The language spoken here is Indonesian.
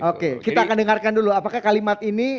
oke kita akan dengarkan dulu apakah kalimat ini